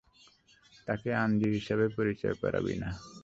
তাকে আন্দ্রেয়া হিসেবে পরিচয় করাবি না।